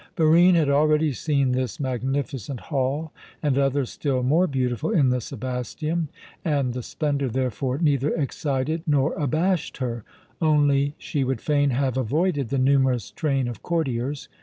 Barine had already seen this magnificent hall, and others still more beautiful in the Sebasteum, and the splendour therefore neither excited nor abashed her; only she would fain have avoided the numerous train of courtiers.